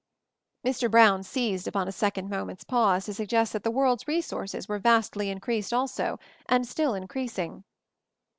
Mr. Brown seized upon a second moment's pause to suggest that the world's resources were vastly increased also — and still in creasing.